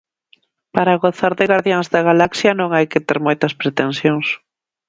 Para gozar de Gardiáns da Galaxia non hai que ter moitas pretensións.